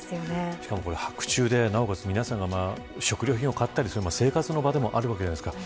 しかもこれ白昼で、なおかつ皆さんが食料品を買ったりする生活の場でもあるわけじゃないですか。